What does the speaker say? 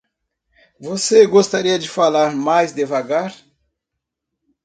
Você gostaria de falar mais devagar?